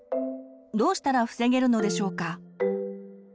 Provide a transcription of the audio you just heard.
どうしたら防げるのでしょうか？